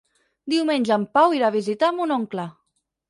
Diumenge en Pau irà a visitar mon oncle.